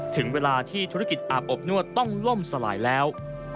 ถึงเวลาที่ธุรกิจอาบอบนวดต้องล่มสลายแล้ว